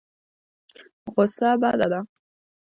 غوسه بده ده.